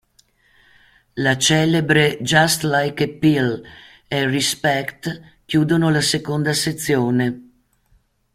La celebre "Just Like a Pill" e "Respect" chiudono la seconda sezione.